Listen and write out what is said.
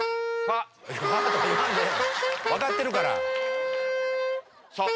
ファ！分かってるから！